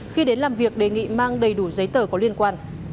khi đến làm việc đề nghị mang đầy đủ giấy tờ có liên quan